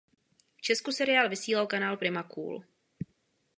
V Česku seriál vysílal kanál Prima Cool.